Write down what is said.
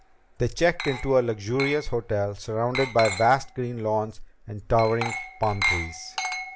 They checked into a luxurious hotel, surrounded by vast green lawns and towering palm trees.